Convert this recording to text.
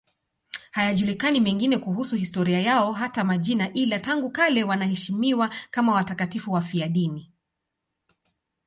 Hayajulikani mengine kuhusu historia yao, hata majina, ila tangu kale wanaheshimiwa kama watakatifu wafiadini.